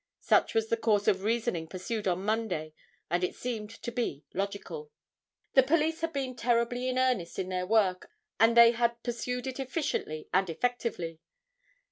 Such was the course of reasoning pursued on Monday, and it seemed to be logical. The police had been terribly in earnest in their work and they had pursued it efficiently and effectively.